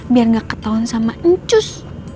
biar gak ketahuan sama encus